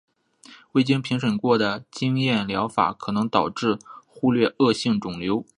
未经评估过的经验疗法可能导致忽略恶性肿瘤。